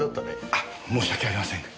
あ申し訳ありませんが。